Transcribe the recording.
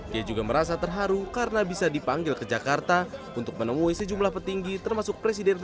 dia juga merasa terharu karena bisa dipanggil ke jakarta untuk menemui sejumlah petinggi termasuk presiden